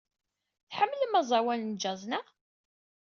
Tḥemmlem aẓawan n jazz, naɣ?